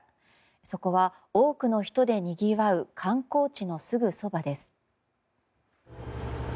そこは、多くの人でにぎわう観光地のすぐそばです。